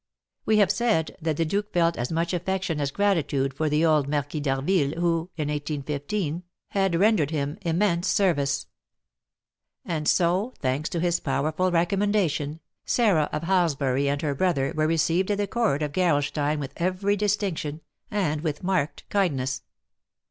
We have said that the Duke felt as much affection as gratitude for the old Marquis d'Harville, who, in 1815, had rendered him immense service; and so, thanks to his powerful recommendation, Sarah of Halsbury and her brother were received at the court of Gerolstein with every distinction, and with marked kindness.